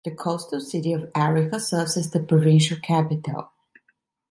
The coastal city of Arica serves as the provincial capital.